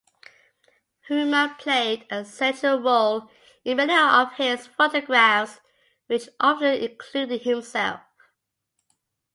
Humour played a central role in many of his photographs which often included himself.